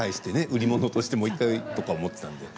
売り物として、もう１回とか思っていたので。